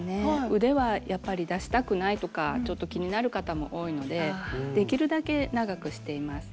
腕はやっぱり出したくないとかちょっと気になる方も多いのでできるだけ長くしています。